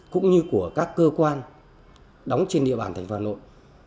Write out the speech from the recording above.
cũng như của các cơ quan đóng trên địa bàn thành phố hà nội